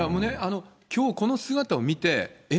きょうこの姿を見て、え？